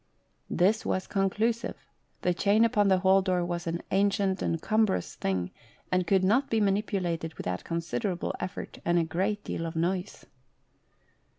This was conclusive. The chain upon the hall door was an ancient and cumbrous thing, and could not be manipulated without considerable effort, and a great deal of noise.